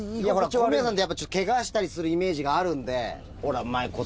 小宮さんってやっぱちょっとケガしたりするイメージがあるんで。